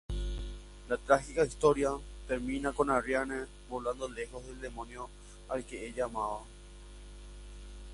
La trágica historia termina con Arriane volando lejos del demonio al que ella amaba.